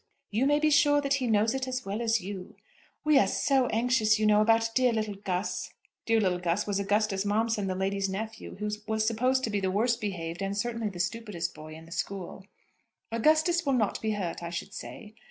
"You may be sure that he knows it as well as you." "We are so anxious, you know, about dear little Gus." Dear little Gus was Augustus Momson, the lady's nephew, who was supposed to be the worst behaved, and certainly the stupidest boy in the school. "Augustus will not be hurt, I should say."